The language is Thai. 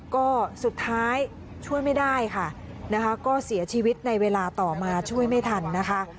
ก็สุดท้ายช่วยไม่ได้ค่ะนะคะก็เสียชีวิตในเวลาต่อมาช่วยไม่ทันนะคะ